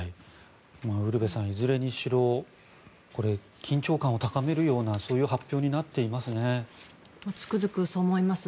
ウルヴェさんいずれにしろ緊張感を高めるようなそういう発表になっていますね。